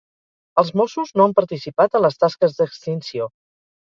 Els Mossos no han participat en les tasques d'extinció.